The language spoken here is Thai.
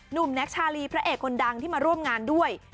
แน็กชาลีพระเอกคนดังที่มาร่วมงานด้วย